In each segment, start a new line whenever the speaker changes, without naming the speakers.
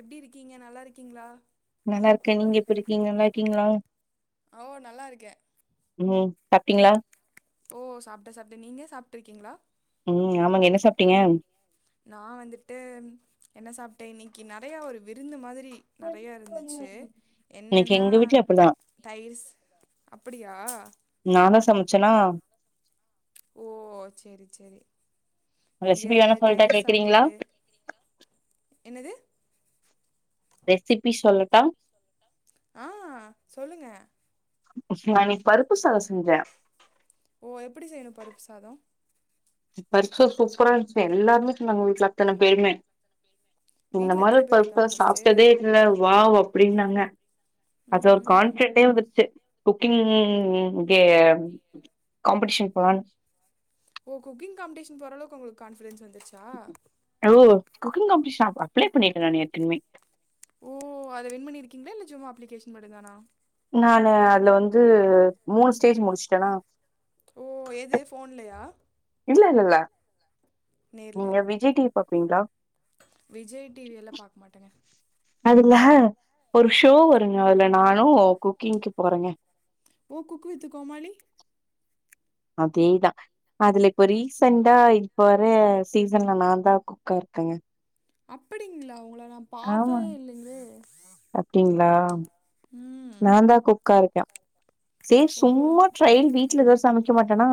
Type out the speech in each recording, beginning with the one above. எப்படி இருக்கீங்க நல்லா இருக்கீங்ளா
நல்லா இருக்கே நீங்க எப்டி இருக்கீங்க நல்லா இருக்கீங்ளா
ஓ நல்லா இருக்கே
சாப்டீங்ளா
ஓ சாப்ட சாப்ட நீங்க சாப்ட்ருக்கீங்ளா?
ம் ஆமாங்க என்ன சாப்டீங்க?
நா வந்துட்டு என்ன சாப்டே இன்னக்கி நெறைய ஒரு விருந்து மாதி ரி நறைய இருந்துச்சு
இன்னைக்கு
என்னன்னா
எங்க வீட்ல அப்டிதா
தயிர்ஸ் அப்புடியா
சம்ச்சனா
ஓ சேரி சேரி இங்க
ரெசிபி வேணா
வந்து
சொல்ட்டா
தயிர்
கேக்குறீங்களா
சாப்பாடு என்னது
ரெசிபி சொல்லட்டா?
ஆ சொல்லுங்க
நா இன்னிக் பருப்பு சாத செஞ்சே
ஓ எப்புடி செய்னு பருப்பு சாதொ?
பருப்சோறு சூப்பரா இருன்ச்சு எல்லாருமே சொன்னாங்க வீட்ல அத்தன பேருமே இந்த
வீட்ல
மாரி
எத்தன
ஒரு
பேர்
பருப்ப
இருக்காங்க ஃபஸ்ட்டு
சாப்டதே இல்ல வாவ் அப் பிடின்னாங்க
ம்
அது ஒரு
ம்
கான்ஃபிடென்ட்டே வந்துருச்சு குக்கிங்‌ கே காம்படிஷன் போலான்
ஓ குக்கிங் காம்படிஷன் போற அளவுக்கு உங்களுக் கான்ஃபிடன்ஸ் வந்துருச்சா?
[unintelligible] குக்கிங் காம்படிஷன் அப்ள பண்ணிருக்கே நானு ஏற்கன்வே
ஓ அத வின் பண்ணிருக்கீங்ளா இல்ல சும்மா அப்ளிகேஷன் மட்டு தானா
நானு அதுல வந்து மூணு ஸ்டேஜ் முடுச்ட்டனா
ஓ! எது ஃபோன்லயா?
இல்லெல்லெல்ல
நேர்ல.
நீங்க விஜய் டி வி பாப்பிங்ளா?
விஜய் டி வில்லா பாக்க மாட்டேங்க
அதுல ஒரு ஷோ வருங்க அதுல நானு குக்கிங்க்கு போறங்க
ஓ குக்குவித்து கோமாளி
அதேதா அதுல இப்ப ரீசண்டா இப்ப வர சீசன்ல நாந்தா குக்கா இருக்கங்க
அப்புடிங்ளா உங்ள நா பாத்ததே இல்லங்ளே
ளா உக்காரப்யா சே
ஓ!
சும்மா ட்ரயல் வீட்ல எதா சமைக்க மாட்டெனா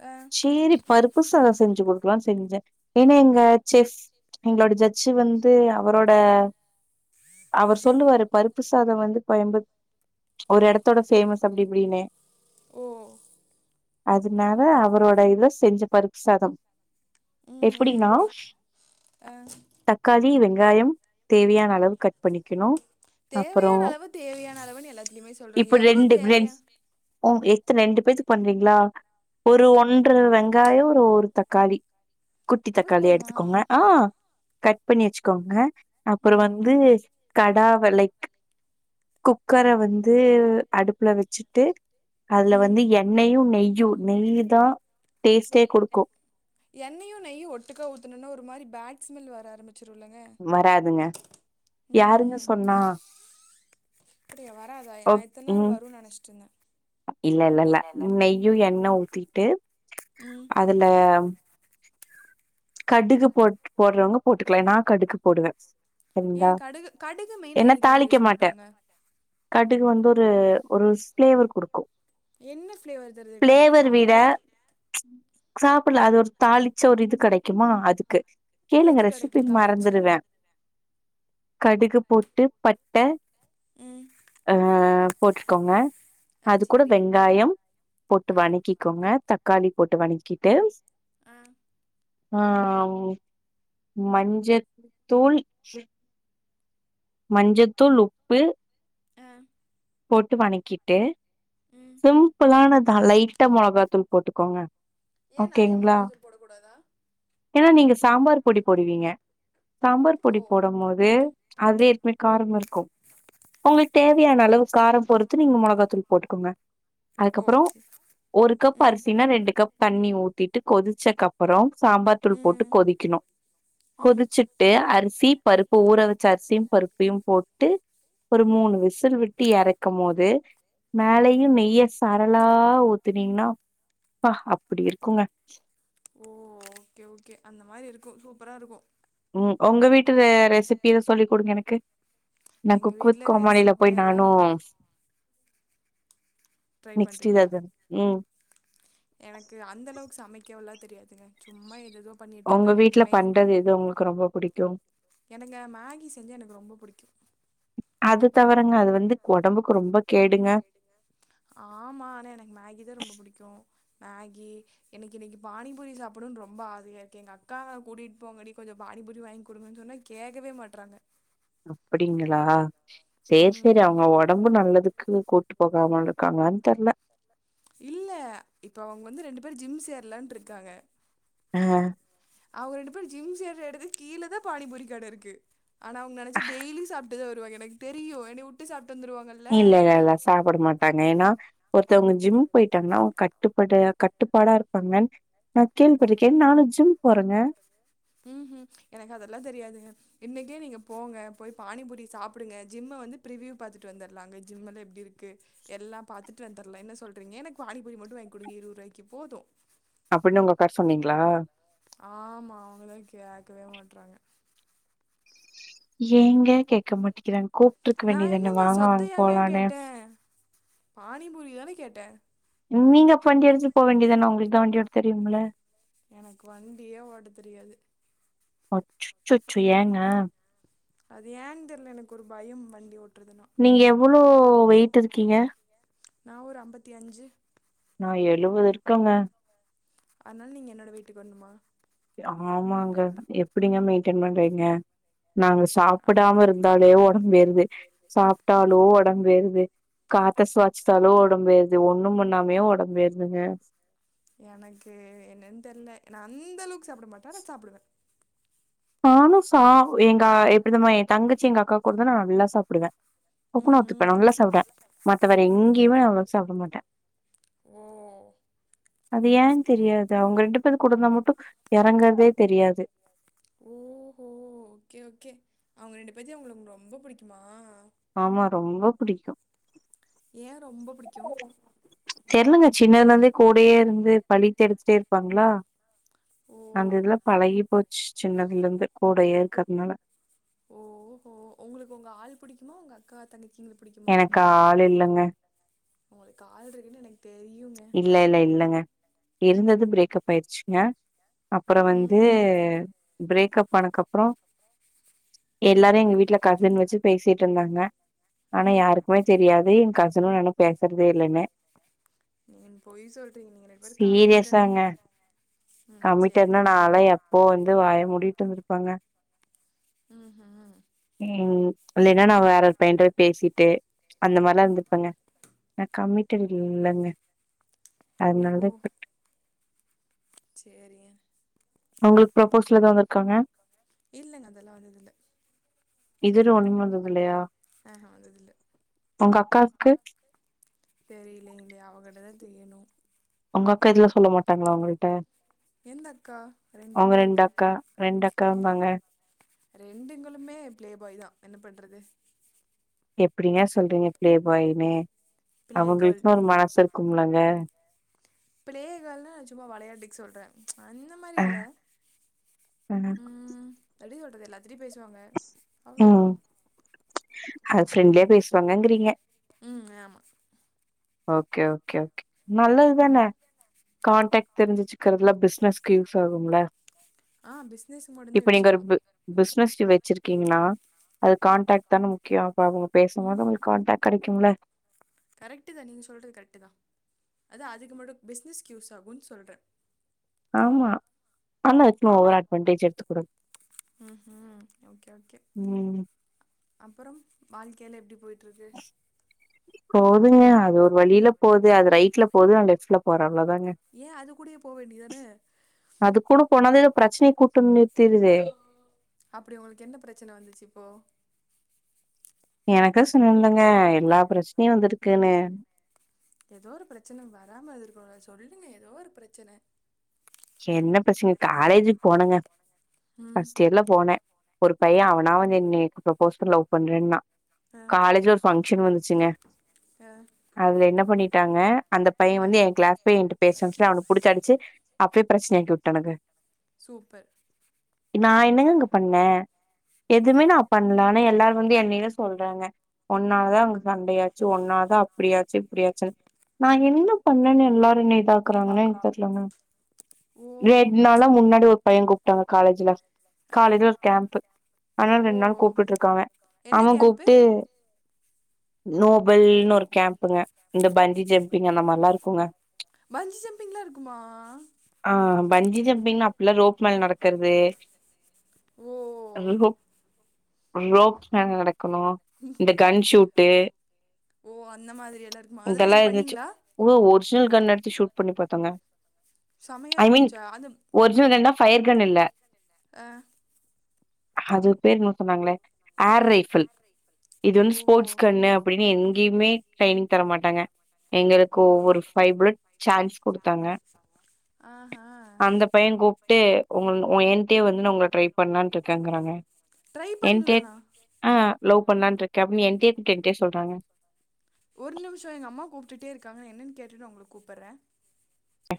அ.
சேரி பருப்பு சாத செஞ்சு குடு க்லான் செஞ்சே ஏனா எங்க செஃப் எங்ளோட ஜட்ஜு வந்து அவரோட அவர் சொல்லுவாரு பருப்பு சாத வந்து கோயம்புத் ஒரு எடத்தோட ஃபேமஸ் அப்டி இப்டின்னு
ம்
அதனால அவரோட இது செஞ் பருப்புசாதம்
ம்ஹ்ம்.
எப்பிடினா
அ.
தக்காளி வெ ங்காயம் தேவையான அளவு கட் பண்ணிக்கனு
தேவையான அளவு தேவையான அளவுனு எல்லத்திட்டியுமே சொல்றே
இப்ப
எவ்ளோ
ரெண்டு ரெண்
தேவையான
ஓ எத்த ரெண்டு பேத்துக்கு பண்றீங்களா ஒரு ஒன்ற வெங்காயோ ஒரு ஒரு தக்காளி. குட்டி
அவ்வளோ
தக்காளி
போதுமா?
எடுத்துக்கோங்க ஆ கட் பண்ணி வச்சுக்கோங்க. அப்புறோ
ம்.
வந்து கடா வலைக், குக்கர வந் து அடுப்புல வச்சிட்டு. அதுல
ம்.
வந்து எண்ணெயு, நெய். ஜூ நெய்தா டேஸ்டே குடுக்கு
எண்ணெயு, நெய்யு ஒட்டுக்கா ஊத்தனுன்னா ஒரு மாரி பேட்ஸ் சுமெல் வர ஆரம்பிச் சிரு இல்லங்க
வராதுங்க
ம்
யாருங்க
ம்
சொன்னா
அப்பிடியா வராதா நா
ஓக்
எத்தன நாள்
ம்
வரும்னு நெனச்சிட்டு இருந்தே.
இல்ல இல்ல இல்ல நெய்யு, எண்ணெ ஊத் ட்டு
ம்
அதுல [unintelligible] கடுகு போட் போடறவங்க போட்டுக்கலா நா கடுகு போடுவே
ஏ
சரிங்களா
கடுகு கடுகு மெயினா
ஏன்னா
எதுக்கு
தாளிக்க
யூஸ்
மாட்டே
பண்றாங்க.
கடுகு வந்து ஒரு ஒரு ஸ்பிளேவர் குடுக்கு.
என்ன பிளேவர் தருது கடுகு சாப்ட்டாலே
சாப்ல்லா அது ஒரு தாளிச்ச ஒரு இது கெடைக் க்கிமா அது. க்கு கேளுங்க
எது கெடைக்கு
ரெசிபி
தாளிச்ச
மறந்துருவே. கடுகு போட்டு பட்ட
ம்
ஆ போட்டிருக்கோங்க
ஆ
அது கூட
சேரி
வெங்காயோ போட்டு
ஆ
வனக்கிக்கோங்க தக்காளி போட்டு வனங்கிட்டு
ஆ
ஆ ம் மஞ்சத்தூள் மஞ்சத்தூள் உப்பு.
ஆ
போட்டு வணக்கிட்டு
ம்
சிம்புளானத் ஆ லைட்டா மொளகாத்தூள் போட்டுக்கோங்க
ஏ நெறைய
ஓகேங்களா
மொளகாத்தூள் போடக்கூடாதா
ஏன்னா நீங்க சாம்பார் பொடி போடுவீங்க சாம்பார்
ஓ
பொடி போடம் போது அதே மேட் காராமா இருக்கு உங்களுக்கு தேவையான அளவு காரம் பொறுத்து நீங்க மொளகாத்தூள் போட்டுக்கோங்க
ஓ
அதுக்கப்புறோ
சே
ஒரு கப்
ம்
அரிசினா ரெண்டு கப் தண்ணி ஊத்திட்டு கொதுச்சக்கப்பறோ சாம்பார் தூள் போட்டு
ம்
கொதிக்கணு
ம்
கொதுச்சுட்டு அரிசி பருப்பு ஊற வெச்ச அரிசியும் பருப்பையும் போட்டு ஒரு மூணு விசில் விட் ட்டு எறக்கும் போது மேலயும் நெய்ய சாரலா ஊத்துனீங்கன்னா அப்பா அப்டி இருக்குங்க
ஓ ஓகே ஓகே அந்த மாரி இருக்கு சூப்பரா இருக்கு
உங்க வீட்டு ரெசிபிலா சொல்லி குடுங்க எனக்கு நா
எங்க
குக் வித்
வீட்ல
கோமளில
ரெசிபி
போய்
எல்லா
நானு
ஒன்னு ட்ரை
நெக்ஸ்ட் இது
பண்றீங்களா
அதும் ம்
எனக்கு அந்த அளவுக்கு சமைக்கவல்லா தெரியாதுங்க சும்மா எது எதோ
உங்க
பண்ணிட்ருப்ப
வீட்ல
மெயின்
பண்றது எது உங்களுக்கு ரொம்ப பிடிக்கும்?
எனக்கு மேகி செஞ்சா எனக்கு ரொம்போ புடிக்கு
அது தவுரங்க அது வந்து ஒடம்புக்கு ரொம்ப கேடுங்க
ஆமா ஆனா எனக்கு மேகி தா ரொம்போ புடிக்கு மேகி எனக்கு இன்னைக்கு பானிபூரி சாப்படுன் ரொம்ப ஆசையா இருக்கு எங்க அக்காவ் கூட்டிட் போங்கடி கொஞ்சோ பானிபூரி வாங்கி குடுங்க சொன்னா கேக்கவே மாட்றாங்க
அப்டிங்களா சேர் சேரி
ம்
அவுங்க ஒடம்பு நல்லதுக்கு கூட்டு போகாம இருக்காங்கன் தெர்ல
இல்ல இப்ப அவுங்க வந்து ரெண்டு பேரு ஜிம் சேர்லான் இருக்காங்க
ஆ
அவுங்க ரெண்டு பேரு ஜிம் சேர எடத்துக்கு கீழ தா பானிபூரிக்கட இருக்கு ஆனா‌ அவுங்க நெனச்சா டெய்லி சாப் டுதா வருவாங்க எனக் தெரியு என்னை வுட்டு சாப்
இல்ல இல்ல இல்ல சாப்ட மாட்டாங்க ஏன்னா ஒருத்தவங்க ஜிம் போயிட்டாங்கன்னா அவுங்க கட் கட்டுப்பாடு கட்டுப்பாடா இருப்பாங்கன் நா கேள்விபட்ருக்கேன் நானு ஜிம் போறங்க
ஹும் எனக்கு அதெல்லா தெரியாதுங்க இன்னைக்கே நீங்க போங்க போய் பானிபூரி சாப்டுங்க ஜிம்ம வந்து பிரிவியூ பாத்துட்டு வந்துர்லாங்க ஜிம்லா எப்டி இருக்கு எல்லாம் பாத்துட்டு வந்துர்லா என்ன சொல்றீங்க எனக் பானிபூரி மட்டு வாங்கி குடுங்க இருவது ரூவாய்க்கு போது
அப்டின் அவங்கள உக்கார சொன்னீங்களா
ஆமா அவுங்களே கேக்கவே மாட்றாங்க
ஏங்க கேக்க மாட்டிங்கிறாங் கூப்ட்ருக்க
நான்
வேண்டிதான
என்னங்க
வாங்க வாங் போலானு
பானிபூரிதான கேட்ட
நீங்க அப்ப வண்டி எடுத்து போ வேண்டிதான உங்களுக்குதா வண்டி ஓட்ட தெரியும்ல
எனக்கு வண்டியே ஓட்ட தெரியாது
அச்சுசச்சு ஏங்க
அது ஏன் தெரில எனக்கு ஒரு பயம் வண்டி ஓட்
நீங்க எவ்வள் ளோ வெயிட் இருக்கீங்க
நா ஒரு ஐம்பத்தி அஞ்சு
நா எழுவது இருக்கங்க
அதனால நீங்க என்னோட வெயிட்டுக்கு வர்ணுமா
ஆமாங்க எப்டிங்க மெயின்டென் பண்றீங்க நாங்க
ஆ
சாப்டாம இருந்தாலே ஒடம்பு ஏறு து சாப்டாலோ ஒடம்பு ஏறுது காத்த சுவாச்சுசாலோ ஒடம்பு ஏறுது ஒண்ணும் பண்ணாமயே ஒடம்பு ஏறுதுங்க
எனக்கு என்னன் தெர்ல நா அந்த அளவுக்கு சாப்ட மாட்ட ஆனா சாப்டுவ
நானுஸ் சா எங்கா எப்டிதம்மா எ தங்கச்சி எங் அக்காக் குடுத்தா நா நல்லா சாப்புடுவ குக்குனா ஒத்துப்ப
ம்ஹும்
நல்லா சாப்புடுவ மத்த வேற எங்கியுமே அவ்ளோ சாப்புட மாட்ட
ஓ
அது ஏன் தெரியாது அவங்க ரெண் எடுப்பது குடுன்னா மட்டு எறங்கறதே தெரியாது
ஓஹோ ஓகே ஓகே அவங்க ரெண்டு பேத்தி அவங்களுக்குளுக்கு ரொம்ப புடிக்குமா
ஆமா ரொம்போ புடிக்கு
ஏ ரொம்போ புடிக்கு
தெர்லங்க சின்னதுல இருந்தே கூடயே இருந்து பழித்து எடுத்துட்டே இருப்பாங்களா
ஓ
அந்த இதுல பழகி போச் சின்னதுல இருந்து கூடயே இருக்குறதுனால
ஓஹோ உங்களுக்கு உங்க ஆள் புடிக்குமா உங்க அக்கா தங்கை
எனக்கு ஆள் இல்லங்க
உங்களுக்கு ஆல் இருக்குன்னு எனக்கு தெரியுங்க
இல்ல இல்ல இல்லங்க அப்டி இருந்தது பிரேக்கப் ஆயிருச்சுங்க அப்புறோ
ம்
வந்து பிரேக்கப் ஆனக்கப்புறோ எல்லாரு எங்க வீட்ல கசின் வெச்சு பேசிட்ருந்தாங்க ஆனா
ம்
யாருக்குமே தெரியாது எங் கஸ் துனுவ நா இன்னு பேசறதே இல்லன்னு
நீங்க பொய் சொல்றீங்க நீங்க ரெண்டு பேரு கமிட்டடு
சீரியஸாங்க
ம்
கமிட்டட்னா
சேரிங்க
நாளா எப்போ வந்து வாய மூடிட்டு வந்துரு பங்க
ம்ஹும்
ம் இல்லைன்னா நான் வேற ஒரு பையன்ட்ட பேசிட்டு அந்த மாரிலா இருந்துருப்பேங்க நா கமிட்டடு இல்லங்க
ஓஹோ
அதனாலதா இப்ப
சேரிங்க
உங்களுக்கு ப்ரொப்போஸல் எதா வந்திருக்காங்க
இல்லங்க அதெல்லா வந்ததில்ல
இதுவரி ஒன்னுமே வந்தது இல்லையா
ஆஹா வந்ததுல்ல
உங்க அக்காவுக்கு
தெரியலங்களே அவங்கிட்ட தா தெரியணும்
ஒங்க அக்கா இதுலா சொல்ல மாட்டாங்களா உங்கள்ட்ட
எந்த அக்கா
அவங்க ரெண்டு
இருக்கு
அக்கா ரெண்டு அக்கா வந்தாங்க
ரெண்டுங்களுமே பிளே பாய் தா என்ன பண்றது
எப்டிங்க சொல்றீங்க பிளே பாயினு
பிளே கேர்ள்
அவங்களுக்குனு ஒரு மனசு இருக்கும் இல்லங்க
பிளே கேள்னா சும்மா வெளயாட்டுக்கு சொல்றன் அந்த மாரி இல்ல ம் எப்டி சொல்றது எல்லாத் திரி பேசுவாங்க அவ்ளோதா
ஆ ஃப்ரண்ட்லியா பேசுவாங்கங்கிறீங்க
ம் ஆமா
ஓகே ஓகே ஓகே நல்லது
ம்
தான காண்டக்ட் தெரிஞ்சி வச்சிக்கிறதுல பிசினஸ்கு யூஸ் ஆகும்ல
ஆ பிஸ்னஸ் மட்டு தான் யூஸ் ஆகும்
சி வச்சிருக்கீங்களா அது கான்டக்ட் தான முக்கியம் இப்ப அவுங்க பேசம்போது
ம்
அவுங்களுக்கு காண்டக்ட் கடை கும்ல
கரெக்ட்டு தா நீங்க சொல்றது கரெட்டு தா அதா அதுக்கு மட்டும் பிஸ்னஸ்க்கு யூஸ் ஆகும் சொல்றன்
ஆமா ஆனா இப்ப ஓவர் ஆக்ட் பண்டிஜர் த்துக்கட
ம் ம் ஓகே ஓகே
ம்.
அப்புறோ வாழ்கையில எப்பிடி போய் ட்ருக்கு
போதுங்க அது ஒரு வழியில போது அது ரைட்ல போது நா லெஃப்ட்ல போறே அவ்ளதாங்க
ஏ அது கூடயே போ வேண்டியதானே
அது கூட போனது பிரச்சனை கூட்டுனி
அப்பிடி உங்களுக்கு என்ன பிரச்சன வந்துச்சி இப்போ
எனக்க சொன்ன இல்லங்க எல்லா பிரச்சனையு வந்துருக்குன்னு
ஏதோ ஒரு பிரச்சன வராம அது இருக்கனுல்ல சொல்லி எதோ ஒரு பிரச்சன
சின்ன பசங்க காலேஜுக்கு போனங்க
ம்
ஃபர்ஸ்ட் இயர்ல போனே ஒரு பைய அவனா வந்து என்னை ப்ரப்போஸ் பண் லவ் பண்றேன்னா
ஆ
காலேஜ்ல ஒரு பங்க்ஷன் வந்துச்சுங்க
ஆ
அதுல என்ன பண்ணிட்டாங்க அந்த பைய
ஆ
வந்து ஏ கிளாஸ் பைய ஏன்ட்ட பேசறா சொல்லி அவன புடிச்சி அடிச்சி அப்பியே பிரச்சனா ஆக்கிவுட்டானுக்க
சூப்பர்
நா என்னங்கங்க பண்ணே எதுவுமே நா பண்ணல ஆனா எல்லாரு வந்து என்னைத சொல்றாங்க ஒன்னாலதா அவுங்க சண்டையாச்சி ஒன்னாலதா அப்பிடியாச்சி இப்பிடியாச்சி நா என்ன பண்ணேன் எல்லாரு என்னை பாக்குறாங்னு எனக்கு தெர்லங்க
ஓ
ரெட் நாளா முன்னாடி ஒரு பைய கூப்ட்டாங்க காலேஜ்ல
ஆ
காலேஜ்ல ஒரு கேம்ப் ஆனால ரெண்டு நாள்
ஓஹோ
கூப்புடுட்டு இருக்காங்க
என்ன
அவ
கேம்ப்பு
கூப்புட்டு நோபல்ன்னு ஒரு கேம்ப்புங்க இந்த பஞ்ஜி ஜம்பிங்க அந்த மரில்லா இருக்குங்க
பஞ்சி ஜம்பிங்லா இருக்குமா
ஆம் பஞ்சி ஜம்பிங்கனா அப்பிலா ரோப் மல் நடக்கறது
ஓ
ர ர ரோ ரோப் நாங்க நடக் க்கணு இந்த கன் ஷூட் டே
ஓ அந்த மாதிரி எல்லா இருக்குமா அதுல நீங்க பண்ணீங்களா
ஸ்னல் கன் எடுத்து ஷூட் பண்ணி பாத்தங்க
செமையா
ஐ மீன்
இருந்துச்சா அந்த
ஒரிஜினல் கன்னா ஃபயர் கன் இல்ல
ஆ
அது பேர் என்ன சொன்னாங்களே ஏர் ரைஃபிள் இது
ஓ
ஒன்னு ஸ்போர்ட்ஸ் கண்ணு அப்படின்னு எங்கேயுமே ட்ரெய்னிங் தர மாட்டாங்க எங்களுக்கு
ஓ
ஒவ்வொரு ஃபைப்ளட் சான்ஸ் குடுத்தாங்க
ஆஹா
அந்த பையே கூப்பிட்டு உங்க உ என்ட்டே வந் ன உங்கள ட்ரை பண்லான் இருக்கங்கறாங்க
ட்ரை
என்டே
பண்லானா
ஆ லவ் பண்லான்ட் இருக்க அப்டி என்டெ கேட் சொல்றாங்க
ஒரு நிமிஷோ எங்க அம்மா கூப்பிட்டுட்டே இருக்காங்க என்னன்னு கேட்டுட்டு உங்களுக்கு கூப்பிட்றே
ச